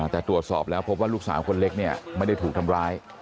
แต่ตรวจสอบแล้วพบว่าลูกสาวคนเล็กเนี่ยไม่ได้ถูกทำร้าย